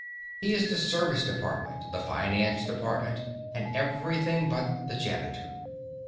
He is the service department, the finance department and everything but the janitor.